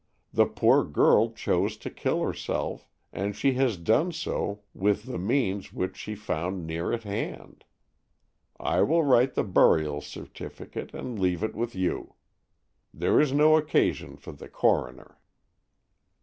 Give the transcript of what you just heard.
The poor girl chose to kill herself, and she has done so with the means which she found near at hand. I will write the burial certificate and leave it with you. There is no occasion for the coroner."